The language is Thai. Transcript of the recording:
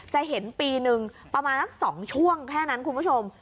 จะเห็นปีหนึ่งประมาณสัก๒ช่วงแค่นั้นคุณผู้ชม